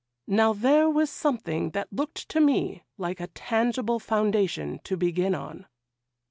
Now there was something that looked to me like a tangible foundation to begin on.